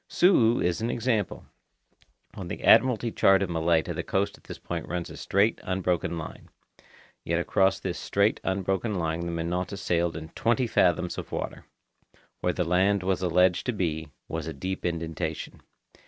Su'u is an example. On the Admiralty chart of Malaita the coast at this point runs a straight, unbroken line. Yet across this straight, unbroken line the Minota sailed in twenty fathoms of water. Where the land was alleged to be, was a deep indentation.